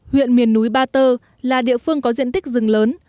huyện miền núi ba tơ là địa phương có diện tích rừng lớn